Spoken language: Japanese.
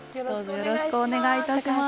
よろしくお願いします